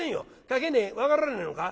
「描けねえ？分からねえのか？